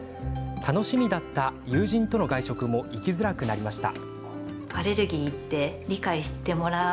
楽しみだった友人との外食も行きづらくなりました。